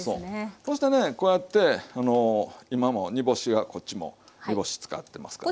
こうしてねこうやって今も煮干しがこっちも煮干し使ってますから。